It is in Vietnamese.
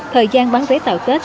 thời gian bán vé tàu tết